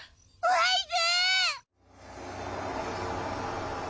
ワイズ！